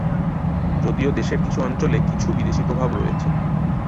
যদিও দেশের কিছু অঞ্চলে কিছু বিদেশী প্রভাব রয়েছে।